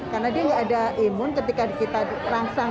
karena dia tidak ada imun ketika kita rangsang